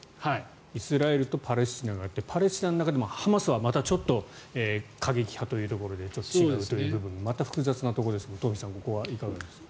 イスラエルとパレスチナがあって、パレスチナの中でもハマスはまたちょっと過激派というところで違うという部分もまた複雑なところですが東輝さん、ここはいかがですか。